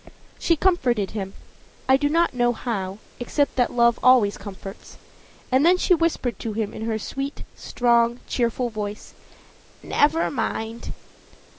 She comforted him I do not know how, except that love always comforts; and then she whispered to him, in her sweet, strong, cheerful voice: "Never mind!"